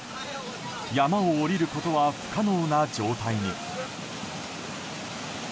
山を下りることは不可能な状態に。